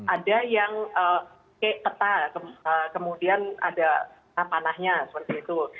ada yang keta kemudian ada panahnya seperti itu